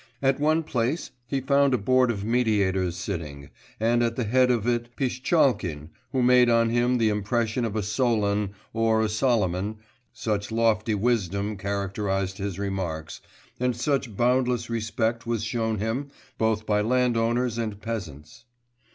At one place he found a Board of Mediators sitting, and at the head of it Pishtchalkin, who made on him the impression of a Solon or a Solomon, such lofty wisdom characterised his remarks, and such boundless respect was shown him both by landowners and peasants....